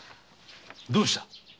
どうした？